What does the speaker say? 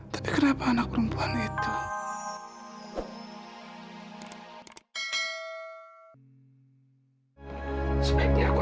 saya harus cari mas iksan